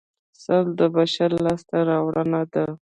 سل د بشر لاسته راوړنه ده